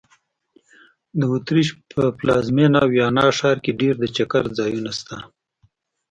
د اوترېش په پلازمېنه ویانا ښار کې ډېر د چکر ځایونه سته.